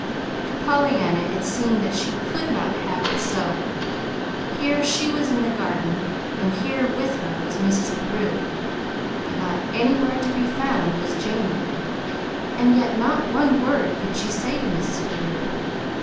To Pollyanna it seemed that she could not have it so. Here she was in the Garden, and here with her was Mrs. Carew; but not anywhere to be found was Jamie and yet not one word could she say to Mrs. Carew.)